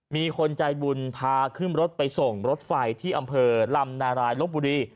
มีคนใจบุญพาขึ้นรถไปส่งรถไฟที่อำเภอลำนารายลบบุรี